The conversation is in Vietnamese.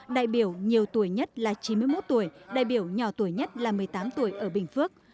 đại biểu nhiều tuổi nhất là chín mươi một tuổi đại biểu nhỏ tuổi nhất là một mươi tám tuổi ở bình phước